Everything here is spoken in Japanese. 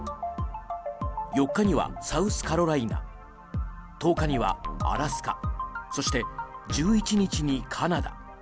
４日にはサウスカロライナ１０日にはアラスカそして、１１日にカナダ。